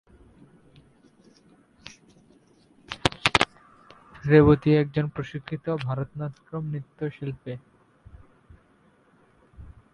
রেবতী একজন প্রশিক্ষিত ভারতনাট্যম নৃত্যশিল্পী।